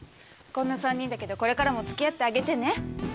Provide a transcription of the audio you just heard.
こんな３人だけどこれからも付き合ってあげてね。